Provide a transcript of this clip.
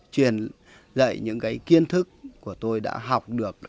truyền dạy những cái kiến thức của tôi đã học được